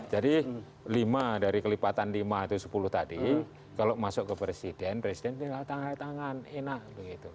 jadi lima dari kelipatan lima atau sepuluh tadi kalau masuk ke presiden presiden tinggal tangan tangan enak begitu